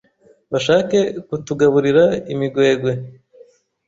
bashake kutugaburira imigwegwe